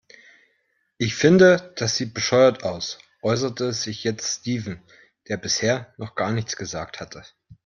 Ich finde, das sieht bescheuert aus, äußerte sich jetzt Steven, der bisher noch gar nichts gesagt hatte.